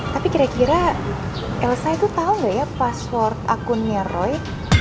tapi kira kira elsa itu tahu nggak ya password akunnya roy